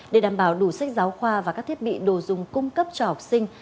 để đảm bảo đủ sách giáo khoa và các thiết bị đồ dùng cung cấp cho học sinh